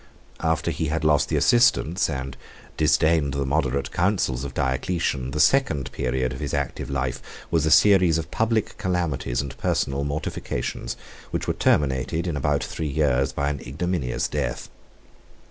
After he had lost the assistance, and disdained the moderate counsels, of Diocletian, the second period of his active life was a series of public calamities and personal mortifications, which were terminated, in about three years, by an ignominious death.